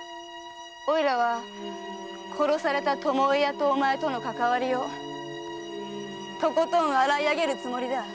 おいらは殺された巴屋とお前とのかかわりをとことん洗いあげるつもりだ。